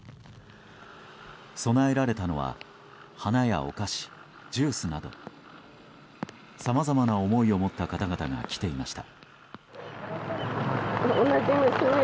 供えられたのは花やお菓子ジュースなどさまざまな思いを持った方々が来ていました。